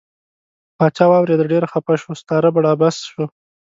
پاچا واوریده ډیر خپه شو ستا ربړ عبث شو.